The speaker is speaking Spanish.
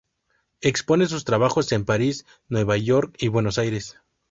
Expone sus trabajos en París, Nueva York y Buenos Aires.